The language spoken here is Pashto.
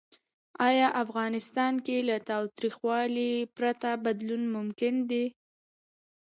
آیا افغانستان کې له تاوتریخوالي پرته بدلون ممکن دی؟